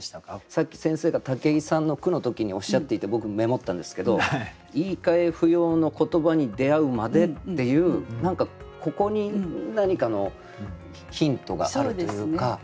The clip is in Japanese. さっき先生が武井さんの句の時におっしゃっていて僕メモったんですけど「言いかえ不要の言葉に出会うまで」っていう何かここに何かのヒントがあるというか。